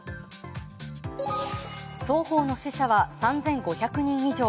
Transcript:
双方の死者は３５００人以上。